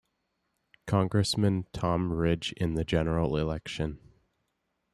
Congressman Tom Ridge in the general election.